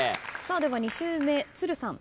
では２周目都留さん。